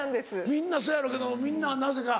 みんなそうやろうけどみんななぜか。